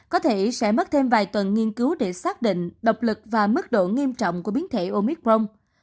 có thể sẽ mất thêm vài tuần nghiên cứu để xác định độc lực và mức độ nghiêm trọng của biến thể omicron